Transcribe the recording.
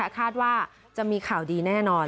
คาดว่าจะมีข่าวดีแน่นอน